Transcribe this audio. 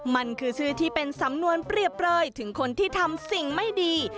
มันคือชื่อที่เป็นสำนวนเปรียบเปลยถึงคนที่ทำสิ่งไม่ดี